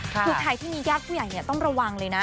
คือใครที่มีญาติผู้ใหญ่ต้องระวังเลยนะ